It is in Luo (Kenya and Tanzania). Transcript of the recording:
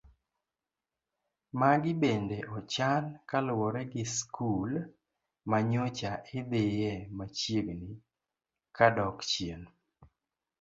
Magi bende ochan kaluwore gi skul ma nyocha idhiye machiegni kadok chien.